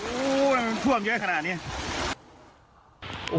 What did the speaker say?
โอ้ท่วมเยอะขนาดนี้